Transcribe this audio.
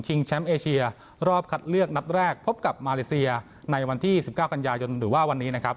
แชมป์เอเชียรอบคัดเลือกนัดแรกพบกับมาเลเซียในวันที่๑๙กันยายนหรือว่าวันนี้นะครับ